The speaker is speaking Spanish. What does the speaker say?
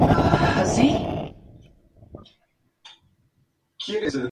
La Jin Mao es propiedad de China Jin Mao Group Co.